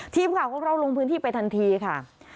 ทีมข่าวของเราลงพื้นที่ไปทันทีค่ะ